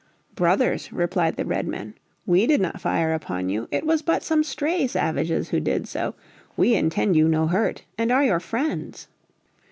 "Brothers," replied the Redmen, "we did not fire upon you. It was but some stray savages who did so. We intend you no hurt and are your friends."